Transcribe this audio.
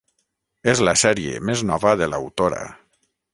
És la sèrie més nova de l'autora.